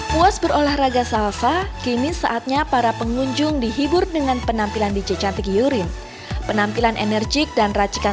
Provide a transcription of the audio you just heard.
puas berolahraga salsa kini saatnya para pengunjungnya bisa berbicara